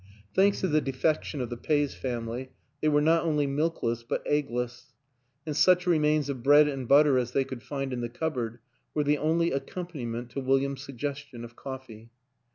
Thanks to the defection of the Peys family, they were not only milkless but eggless; and such re mains of bread and butter as they could find in the cupboard were the only accompaniment to William's suggestion of coffee.